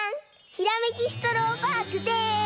ひらめきストローパークです！